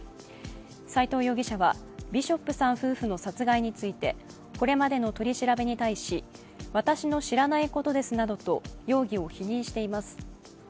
斉藤容疑者はビショップさん夫婦の殺害について、これまでの取り調べに対し私の知らないことですなどと容疑を否認しています。